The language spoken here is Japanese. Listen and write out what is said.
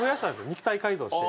肉体改造して。